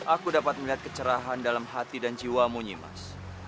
aku dapat melihat kecerahan dalam hati dan jiwa mu nyimaz